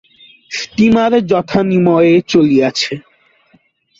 Steamer যথানিময়ে চলিয়াছে।